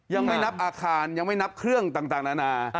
ยังไม่นับอาคารยังไม่นับเครื่องต่างนานา